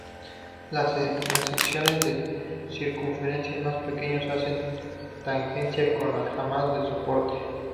Las secciones de circunferencia más pequeños hacen tangencia con las jambas de soporte.